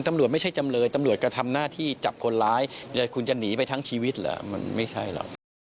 ก็ทำหน้าที่จับคนร้ายคุณจะหนีไปทั้งชีวิตเหรอมันไม่ใช่หรอก